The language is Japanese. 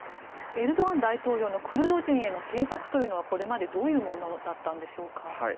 エルドアン大統領のクルド人への政策というのはこれまでどういうものだったんでしょうか。